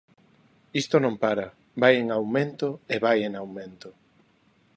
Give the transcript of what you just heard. Isto non para, vai en aumento e vai en aumento.